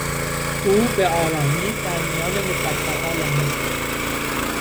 او به آرامی در میان متکاها لمید.